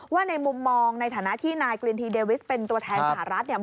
ในมุมมองในฐานะที่นายกลินทีเดวิสเป็นตัวแทนสหรัฐเนี่ย